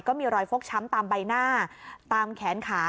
ก็มีรอยฟกช้ำตามใบหน้าตามแขนขา